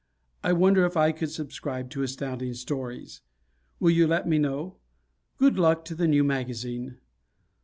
I wonder if I could subscribe to Astounding Stories? Will you let me know? Good luck to the new magazine.